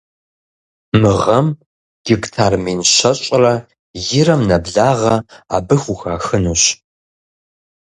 Мы гъэм гектар мин щэщӀрэ ирэм нэблагъэ абы хухахынущ.